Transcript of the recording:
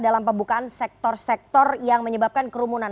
dalam pembukaan sektor sektor yang menyebabkan kerumunan